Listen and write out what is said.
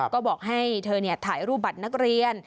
ก็บอกให้เธอถ่ายรูปบัตรนักเรียน